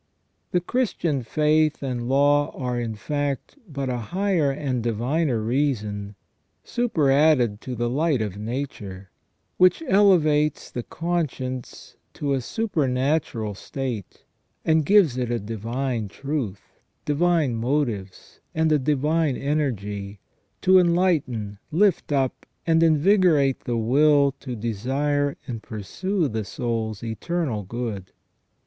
The Christian faith and law are, in fact, but a higher and diviner reason, superadded to the light of Nature, which elevates the conscience to a supernatural state, and gives it a divine truth, divine motives, and a divine energy, to enlighten, lift up, and invigorate the will to desire and pursue the soul's eternal good.